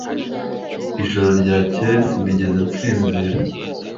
Ijoro ryakeye sinigeze nsinzira